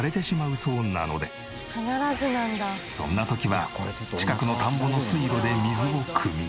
そんな時は近くの田んぼの水路で水をくみ。